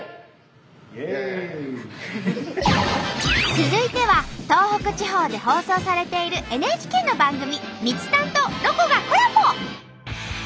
続いては東北地方で放送されているＮＨＫの番組「みちたん」と「ロコ」がコラボ！